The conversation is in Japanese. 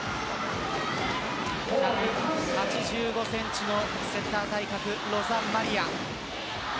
１８５センチのセッター対角、ロザマリア。